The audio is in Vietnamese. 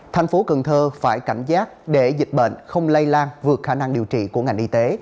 thành phố cần thơ phải cảnh giác để dịch bệnh không lây lan vượt khả năng điều trị của ngành y tế